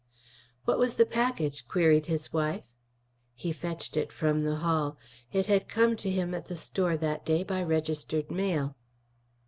"What was the package?" queried his wife. He fetched it from the hall. It had come to him at the store that day by registered mail.